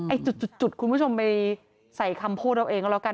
จุดคุณผู้ชมไปใส่คำพูดเอาเองก็แล้วกัน